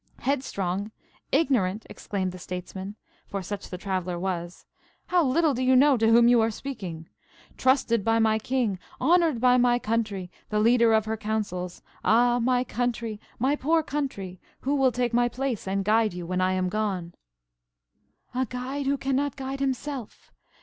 "Headstrong! ignorant!" exclaimed the Statesman, for such the traveller was. "How little do you know to whom you are speaking! Trusted by my King–honoured by my country–the leader of her councils– ah, my country, my poor country, who will take my place and guide you when I am gone?" "A guide who cannot guide himself!